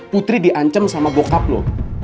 putri diancam sama bokap loh